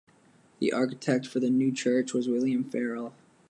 The architect for the new church was William Farrell.